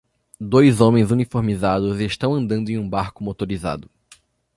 Dois homens uniformizados estão andando em um barco motorizado.